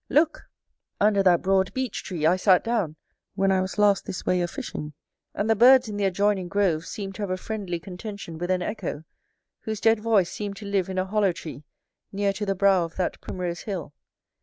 Look! under that broad beech tree I sat down, when I was last this way a fishing; and the birds in the adjoining grove seemed to have a friendly contention with an echo, whose dead voice seemed to live in a hollow tree near to the brow of that primrose hill.